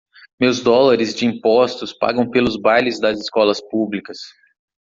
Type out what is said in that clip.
Meus dólares de impostos pagam pelos bailes das escolas públicas.